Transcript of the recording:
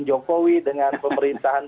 jokowi dengan pemerintahan